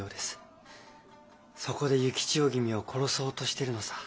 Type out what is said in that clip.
そこで幸千代君を殺そうとしてるのさ。